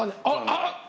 あっ！